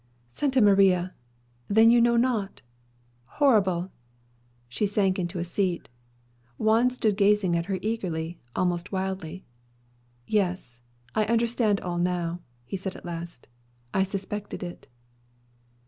"Santa Maria! Then you know not! Horrible!" She sank into a seat Juan stood gazing at her eagerly, almost wildly. "Yes; I understand all now," he said at last. "I suspected it."